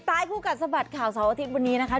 คู่กัดสะบัดข่าวเสาร์อาทิตย์วันนี้นะคะ